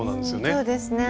そうですね。